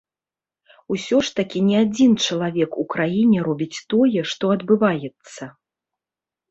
Усё ж такі не адзін чалавек у краіне робіць тое, што адбываецца.